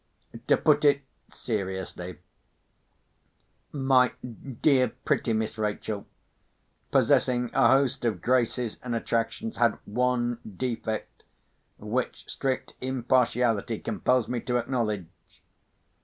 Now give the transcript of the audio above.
To put it seriously, my dear pretty Miss Rachel, possessing a host of graces and attractions, had one defect, which strict impartiality compels me to acknowledge.